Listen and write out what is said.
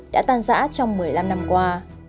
đã tàn giã trong một mươi năm năm qua